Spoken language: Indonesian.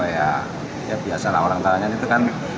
ya biasalah orang tahanan itu kan